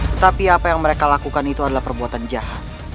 tetapi apa yang mereka lakukan itu adalah perbuatan jahat